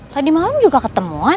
tadi malam juga ketemuan